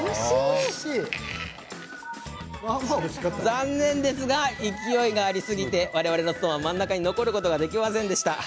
残念ですが、勢いがありすぎて我々のストーンは真ん中に残ることができませんでした。